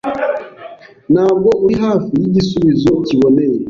Ntabwo uri hafi y igisubizo kiboneye.